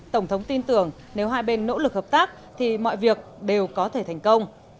tổng thống tin tưởng nếu hai bên nỗ lực hợp tác thì mọi việc đều có thể thành công